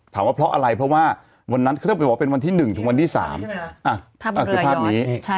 ว่าเพราะอะไรเพราะว่าวันนั้นเครื่องไปบอกว่าเป็นวันที่๑ถึงวันที่๓คือภาพนี้